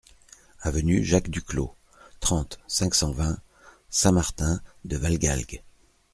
Avenue Jacques Duclos, trente, cinq cent vingt Saint-Martin-de-Valgalgues